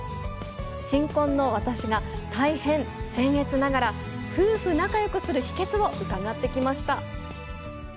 新婚の私が、大変せん越ながら、夫婦仲よくする秘けつを伺ってきました。